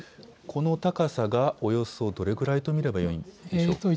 この高さがおよそどれくらいと見ればいいでしょうか。